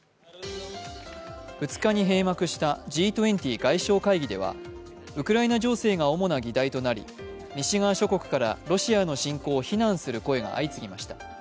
２日に閉幕したＧ２０外相会議では、ウクライナ情勢が主な議題となり西側諸国からロシアの侵攻を非難する声が相次ぎました。